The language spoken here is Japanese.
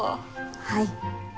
はい。